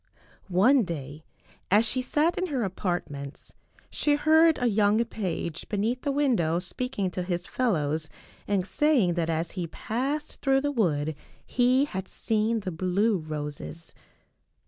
One day, as she sat in her apartments, she heard a young page beneath the window speaking to his fel lows and saying that as he passed through the wood he had seen the blue roses.